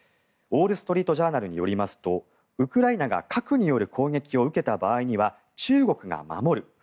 ウォール・ストリート・ジャーナルによりますとウクライナが核による攻撃を受けた場合には中国が守る。